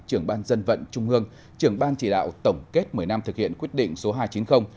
trưởng ban dân vận trung ương trưởng ban chỉ đạo tổng kết một mươi năm thực hiện quyết định số hai trăm chín mươi